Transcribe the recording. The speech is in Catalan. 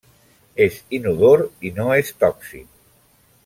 És inodor i no és tòxic.